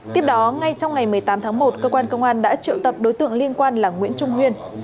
tiếp đó ngay trong ngày một mươi tám tháng một cơ quan công an đã triệu tập đối tượng liên quan là nguyễn trung huyên